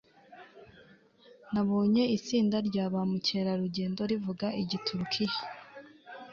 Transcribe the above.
Nabonye itsinda rya ba mukerarugendo bavuga Igiturukiya